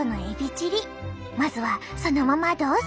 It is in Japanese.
まずはそのままどうぞ。